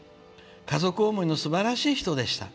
家族思いのすばらしい人でした。